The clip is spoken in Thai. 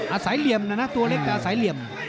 เหลี่ยมนะนะตัวเล็กแต่อาศัยเหลี่ยม